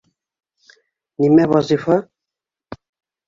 Нимә Вазифа?